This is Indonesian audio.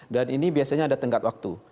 dan ini biasanya ada tengkat waktu